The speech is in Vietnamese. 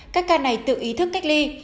các ca này tự ý thức cách ly